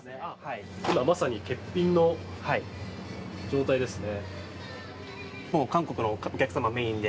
今まさに欠品の状態ですね。